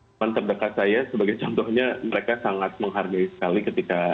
teman terdekat saya sebagai contohnya mereka sangat menghargai sekali ketika